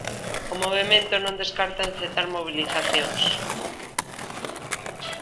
O movemento non descarta encetar mobilizacións.